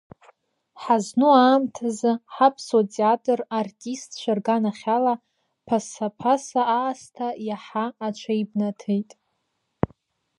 Ҳазну аамҭазы ҳаԥсуа театр артистцәа рганахьала, ԥасаԥаса аасҭа, иаҳа аҽеибнаҭеит.